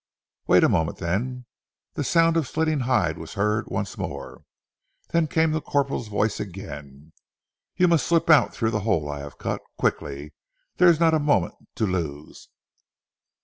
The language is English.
"Wait a moment, then." The sound of slitting hide was heard once more, then came the corporal's voice again, "You must slip out through the hole I have cut. Quickly! There is not a moment to lose."